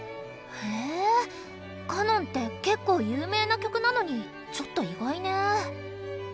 へえ「カノン」ってけっこう有名な曲なのにちょっと意外ね。